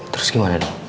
terus gimana dong